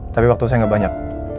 tapi waktu saya gak banyak